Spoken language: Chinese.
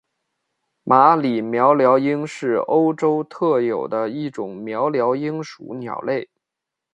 马里鹋鹩莺是澳洲特有的一种鹋鹩莺属鸟类。